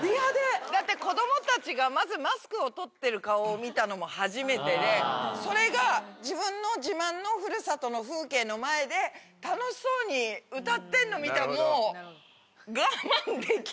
だって子どもたちがまずマスクを取ってる顔を見たのも初めてでそれが自分の自慢の古里の風景の前で楽しそうに歌ってるの見たらもう我慢できないよね。